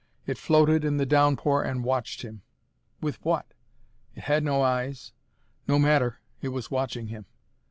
It floated in the downpour and watched him. With what? It had no eyes. No matter, it was watching him.